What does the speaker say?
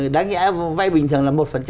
đáng nghĩa là vay bình thường là một